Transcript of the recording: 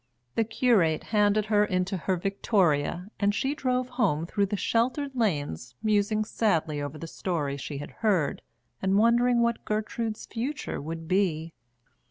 The curate handed her into her victoria, and she drove home through the sheltered lanes musing sadly over the story she had heard, and wondering what Gertrude's future would be.